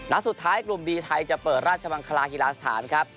สุดท้ายกลุ่มบีไทยจะเปิดราชมังคลาฮิลาสถานครับ